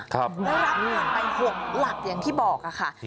รับหมายไป๖หลักอย่างที่บอกค่ะ